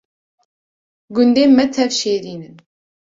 Gundên Me Tev Şêrîn in